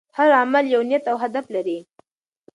هر عمل یو نیت او هدف لري.